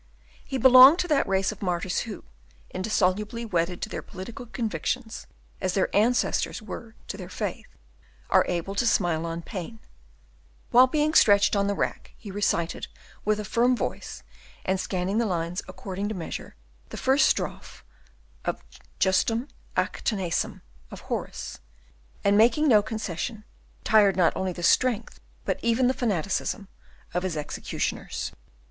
He belonged to that race of martyrs who, indissolubly wedded to their political convictions as their ancestors were to their faith, are able to smile on pain: while being stretched on the rack, he recited with a firm voice, and scanning the lines according to measure, the first strophe of the "Justum ac tenacem" of Horace, and, making no confession, tired not only the strength, but even the fanaticism, of his executioners.